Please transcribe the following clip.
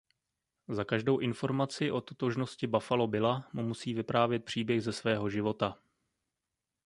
Za každou informaci o totožnosti Buffalo Billa mu musí vyprávět příběh ze svého života.